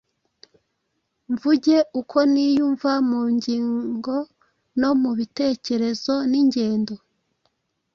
Mvuge uko niyumva mu ngingono mu bitekerezo n’ingendo,